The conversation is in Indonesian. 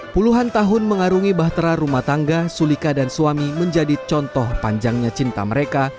puluhan tahun mengarungi bahtera rumah tangga sulika dan suami menjadi contoh panjangnya cinta mereka